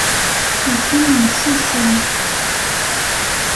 S lḥenn n ssisan.